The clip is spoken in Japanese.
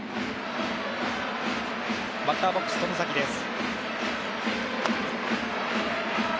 バッターボックス・外崎です。